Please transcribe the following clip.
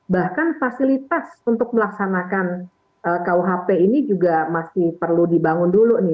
bahkan fasilitas untuk melaksanakan kuhp ini juga masih perlu dibangun dulu nih